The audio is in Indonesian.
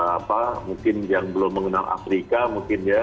apa mungkin yang belum mengenal afrika mungkin ya